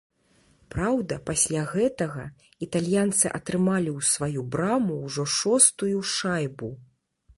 Праўда, пасля гэтага італьянцы атрымалі ў сваю браму ўжо шостую шайбу.